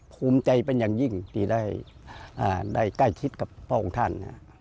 ภูมิใจเป็นอย่างยิ่งที่ได้ใกล้ชิดกับพระองค์ท่าน